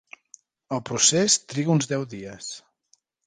El procés triga uns deu dies.